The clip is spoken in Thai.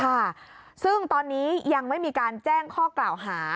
ค่ะซึ่งตอนนี้ยังไม่มีการแจ้งข้อกล่าวหา